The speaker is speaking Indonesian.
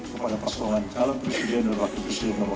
kepada pasangan dalam presiden rakyat yusril no satu